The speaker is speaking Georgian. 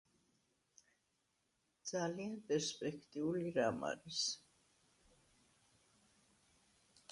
ძალიან პერსპექტიული რამ არის